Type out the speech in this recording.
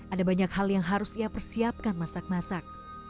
ada banyak hal yang harus ia persiapkan masak masak